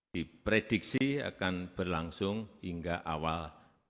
diprediksi akan berlangsung hingga awal dua ribu dua puluh